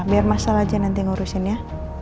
biar masalah aja nanti yang urusin ya